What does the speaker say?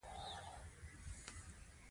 علامه حبیبي شفاهي روایت نقل کړی.